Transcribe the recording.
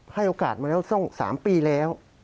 ให้โอกาสมาแล้ว๓ปีแล้ว